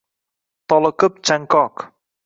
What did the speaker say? Toliqib chanqoq.